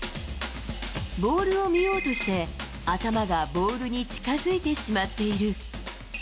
ボールを見ようとして頭がボールに近づいてしまっている。